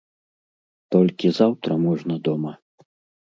Толькі заўтра можна дома?